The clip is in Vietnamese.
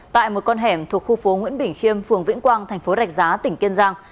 tại một con hẻm thuộc khu phố nguyễn bỉnh khiêm phường vĩnh quang tp rạch giá tỉnh kiên giang